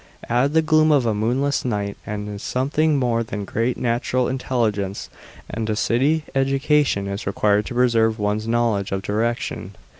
Add the gloom of a moonless night, and something more than great natural intelligence and a city education is required to preserve one's knowledge of direction.